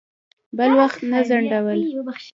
بل وخت ته ځنډول.